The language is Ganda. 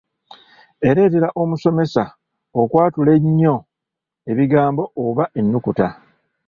Ereetera omusomesa okwatula ennyo ebigambo oba ennukuta.